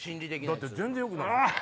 だって全然よくない。